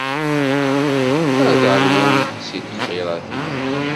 Ad ṛwun s lxirat-ik.